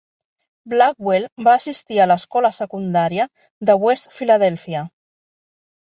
Blackwell va assistir a l'escola secundària de West Philadelphia.